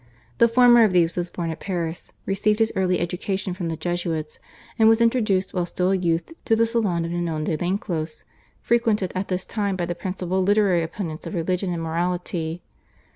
The former of these was born at Paris, received his early education from the Jesuits, and was introduced while still a youth to the salon of Ninon de Lenclos, frequented at this time by the principal literary opponents of religion and morality.